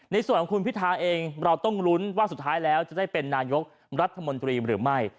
ในส่วนของคุณพิทาเองเราต้องลุ้นว่าสุดท้ายแล้วจะได้เป็นนายกรัฐมนตรีหรือไม่